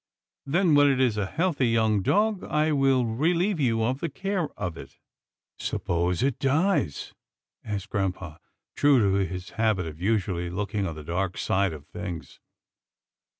Then when it is a healthy young dog, I will relieve you of the care of it." "Suppose it dies?" asked grampa, true to his habit of usually looking on the dark side of things.